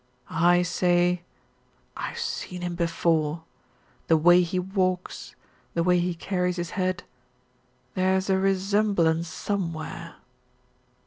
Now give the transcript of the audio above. "I say I've seen him before the way he walks the way he carries his head there's a resemblance somewhere."